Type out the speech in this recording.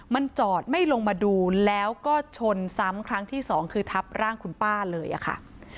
มันจอดไม่ลงมาดูแล้วก็ชนซ้ำครั้งที่สองคือทับร่างคุณป้าเลยอะค่ะ